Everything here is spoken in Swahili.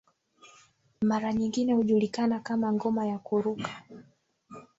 mara nyingine hujulikana kama ngoma ya kuruka